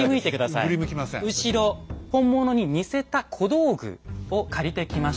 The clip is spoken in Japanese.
本物に似せた小道具を借りてきました。